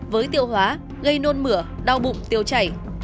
với tiêu hóa gây nôn mửa đau bụng tiêu chảy